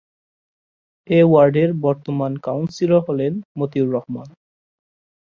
এ ওয়ার্ডের বর্তমান কাউন্সিলর হলেন মতিউর রহমান।